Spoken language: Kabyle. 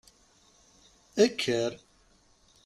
Ekker!